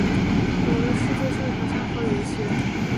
《我的世界》是一款沙盒游戏。